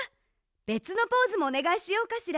べつのポーズもおねがいしようかしら。